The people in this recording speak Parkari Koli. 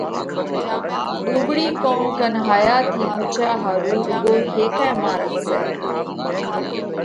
ۮُوٻۯِي قُوم ڪنَ ھايا ٿِي ڀچيا ۿارُو روڳو ھيڪئھ مارڳ سئہ